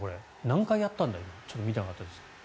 何回やったんだろうちょっと見ていなかったですが。